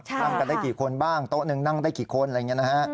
นั่งกันได้กี่คนบ้างโต๊ะหนึ่งนั่งได้กี่คนอะไรอย่างนี้นะฮะ